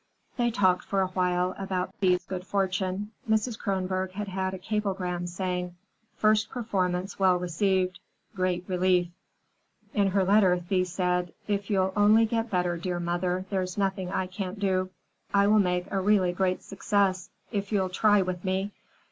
They talked for a while about Thea's good fortune. Mrs. Kronborg had had a cablegram saying, "First performance well received. Great relief." In her letter Thea said; "If you'll only get better, dear mother, there's nothing I can't do. I will make a really great success, if you'll try with me.